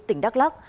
tỉnh đắk lắk